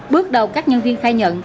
bước đầu các nhân viên khai nhận